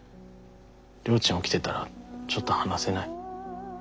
りょーちん起きてたらちょっと話せない。